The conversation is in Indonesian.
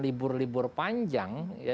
libur libur panjang ya